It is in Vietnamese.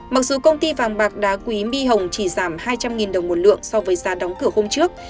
mặc dù công ty vàng bạc đá quý my hồng chỉ giảm hai trăm linh đồng một lượng so với giá đóng cửa hôm trước